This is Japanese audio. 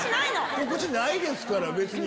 告知ないですから別に。